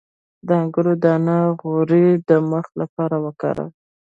د انګور دانه غوړي د مخ لپاره وکاروئ